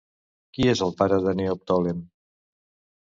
Qui és el pare de Neoptòlem?